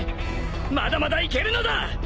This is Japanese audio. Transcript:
まだまだいけるのだ！